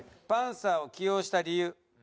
パンサーを起用した理由。